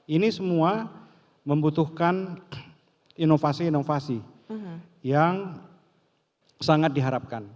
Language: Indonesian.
ini semua membutuhkan inovasi inovasi yang sangat diharapkan